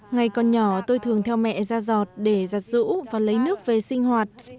ngày con nhỏ tôi thường theo mẹ ra giọt để giặt rũ và lấy nước về sinh hoạt